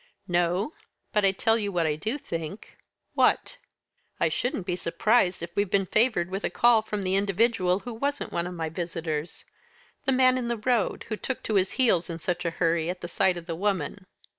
"No; but I tell you what I do think." "What?" "I shouldn't be surprised if we've been favoured with a call from the individual who wasn't one of my visitors; the man in the road, who took to his heels in such a hurry at the sight of the woman."